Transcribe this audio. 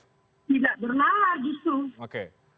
tidak bernalar justru